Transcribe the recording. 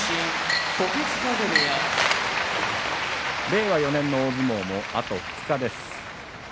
令和４年の大相撲もあと２日です。